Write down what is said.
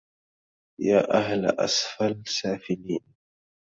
يا أهل أسفل سافلين